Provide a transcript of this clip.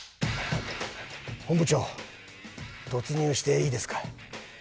本部長突入していいですか？